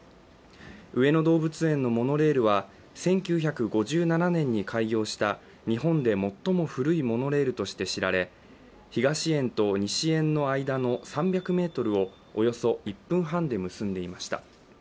上野動物園のモノレールは１９５７年に開業した日本で最も古いモノレールとして知られ、東園と西園の間の３００ｍをおよそ１分半で結んでいました。